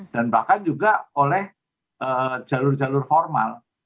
dan bahkan juga oleh jalur jalur formal